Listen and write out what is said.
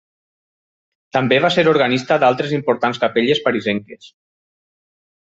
També va ser organista d'altres importants capelles parisenques.